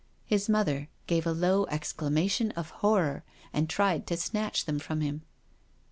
His mother gave a low exclamation of horror and tried to snatch them from him.